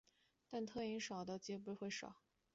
但特急因交换轨道而运转停车的机会亦不少。